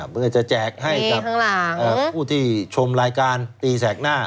เพื่อจะแจกให้กับผู้ที่ชมรายการตีแสกหน้า